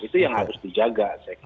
itu yang harus dijaga saya kira